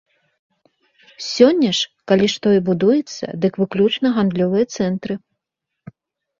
Сёння ж, калі што і будуецца, дык выключна гандлёвыя цэнтры.